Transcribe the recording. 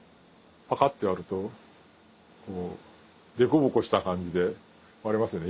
ッて割るとこう凸凹した感じで割れますよね